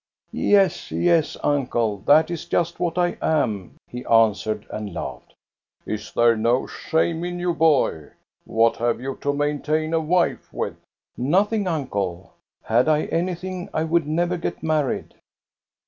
" •*Yes, yes, uncle, that is just what I am," he answered, and laughed. Is there no shame in you, boy? What have you to maintain a wife with ?"" Nothing, uncle. Had I anything, I would never get married."